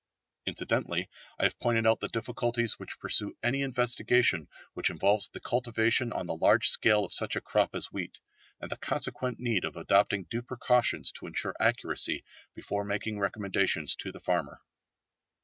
Incidentally I have pointed out the difficulties which pursue any investigation which involves the cultivation on the large scale of such a crop as wheat, and the consequent need of adopting due precautions to ensure accuracy before making recommendations to the farmer.